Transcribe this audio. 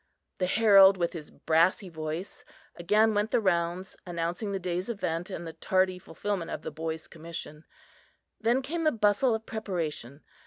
The herald, with his brassy voice, again went the rounds, announcing the day's event and the tardy fulfillment of the boy's commission. Then came the bustle of preparation.